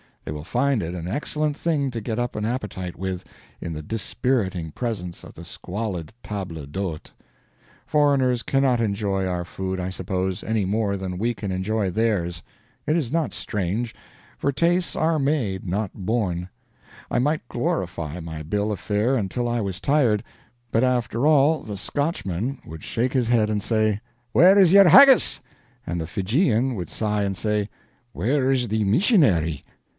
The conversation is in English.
They will find it an excellent thing to get up an appetite with, in the dispiriting presence of the squalid table d'hôte. Foreigners cannot enjoy our food, I suppose, any more than we can enjoy theirs. It is not strange; for tastes are made, not born. I might glorify my bill of fare until I was tired; but after all, the Scotchman would shake his head and say, "Where's your haggis?" and the Fijian would sigh and say, "Where's your missionary?"